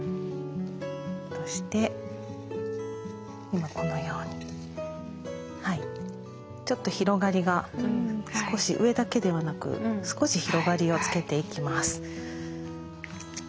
そして今このようにちょっと広がりが少し上だけではなく少し広がりをつけていきます。